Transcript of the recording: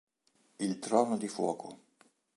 Il trono di fuoco